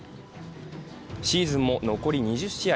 シーズンも残り２０試合。